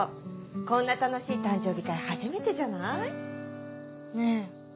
こんな楽しい誕生日会初めてじゃない？ねえ。